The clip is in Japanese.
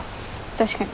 確かに。